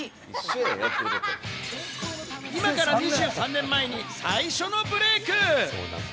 今から２３年前に最初のブレーク。